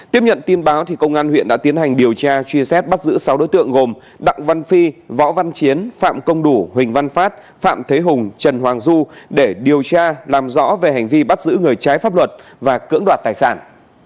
tiếp nhận tin báo công an huyện đã tiến hành điều tra truy xét bắt giữ sáu đối tượng gồm đặng văn phi võ văn chiến phạm công đủ huỳnh văn phát phạm thế hùng trần hoàng du để điều tra làm rõ về hành vi bắt giữ người trái pháp luật và cưỡng đoạt tài sản